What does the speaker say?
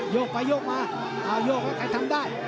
โยกไปโยกมาโยกแล้วใครทำได้